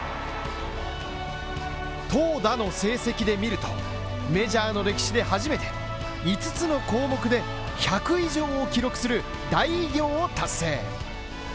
投打の成績で見ると、メジャーの歴史で初めて、五つの項目で１００以上を記録する大偉業を達成。